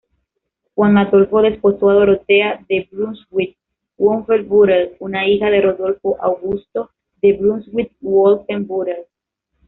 Juan Adolfo desposó a Dorotea de Brunswick-Wolfenbüttel, una hija de Rodolfo Augusto de Brunswick-Wolfenbüttel.